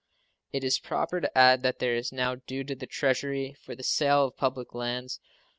It is proper to add that there is now due to the Treasury for the sale of public lands $22,996,545.